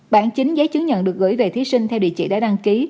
bản chính giấy chứng nhận được gửi về thí sinh theo địa chỉ đã đăng ký